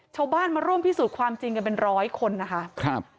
ชาวบ้านมาร่วมพิสูจน์ความจริงกันเป็นร้อยคนนะคะครับ